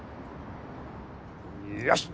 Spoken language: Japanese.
よし！